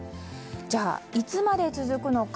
じゃあ、いつまで続くのか。